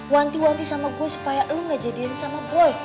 wanti wanti sama gue supaya lo ngejadiin sama boy